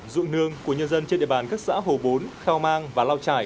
dụng nương của nhân dân trên địa bàn các xã hồ bốn khao mang và lao trải